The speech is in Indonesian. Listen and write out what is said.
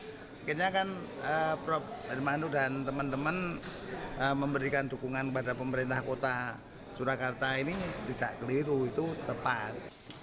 akhirnya kan prof hermanu dan teman teman memberikan dukungan kepada pemerintah kota surakarta ini tidak keliru itu tepat